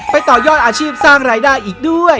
ต่อยอดอาชีพสร้างรายได้อีกด้วย